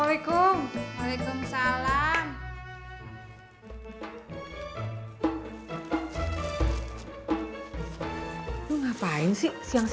lupa duluan tes